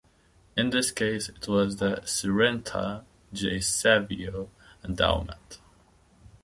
In this case, it was the Syrentha J. Savio Endowment.